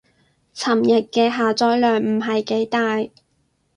尋日嘅下載量唔係幾大